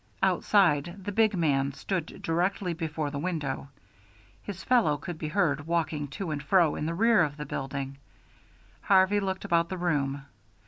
Outside, the big man stood directly before the window; his fellow could be heard walking to and fro in the rear of the building. Harvey looked about the room.